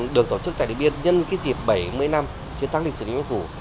được tổ chức tại điện biên nhân dịp bảy mươi năm chiến thắng lịch sử lý văn phủ